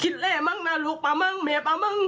แร่มั้งนะลูกป๊ามั้งแม่ปลามั้ง